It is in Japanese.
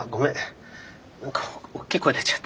何か大きい声出ちゃった。